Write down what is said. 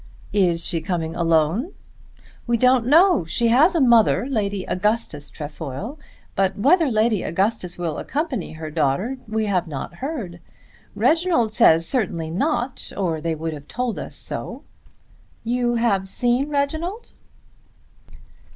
"Is she coming alone?" "We don't know. She has a mother, Lady Augustus Trefoil, but whether Lady Augustus will accompany her daughter we have not heard. Reginald says certainly not, or they would have told us so. You have seen Reginald?"